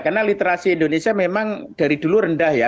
karena literasi indonesia memang dari dulu rendah ya